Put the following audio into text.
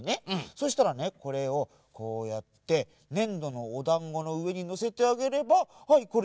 そしたらねこれをこうやってねんどのおだんごのうえにのせてあげればはいこれでもうできあがり。